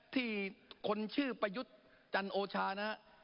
ที่คนชื่อประยุทธ์จันโอชานะฮะ